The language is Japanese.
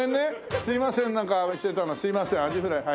すいませんなんかあれしてたのすいませんアジフライ。